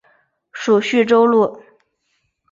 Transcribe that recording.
属叙州路。